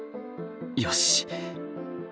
よし。